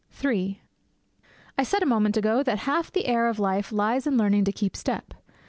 III I said a moment ago that half the air of life lies in learning to keep step.